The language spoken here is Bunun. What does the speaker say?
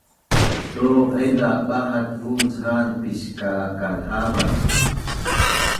Duq haiza bahatvuc han piskakaz havan?